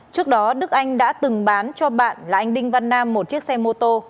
trước đó đức anh đã từng bán cho bạn là anh đinh văn nam một chiếc xe mô tô